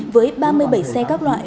với ba mươi bảy xe các loại